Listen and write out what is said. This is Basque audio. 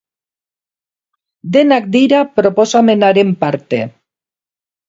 Denak dira proposamenaren parte.